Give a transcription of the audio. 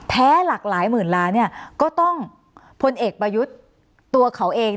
หลากหลายหมื่นล้านก็ต้องพลเอกประยุทธ์ตัวเขาเอง